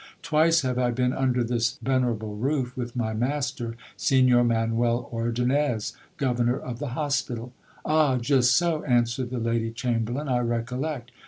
Twice have I been under this venerable roof with my master, Signor Manuel Ordonnez, governor of the hospital Ah ! just so, answered the lady chamberlain, I recollect